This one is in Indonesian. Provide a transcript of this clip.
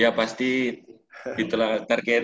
iya pasti itulah target